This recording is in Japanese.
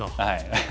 はい。